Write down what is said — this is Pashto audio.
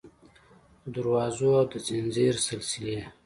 د دروازو او د ځنځیر سلسلې